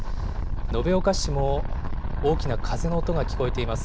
延岡市も、大きな風の音が聞こえています。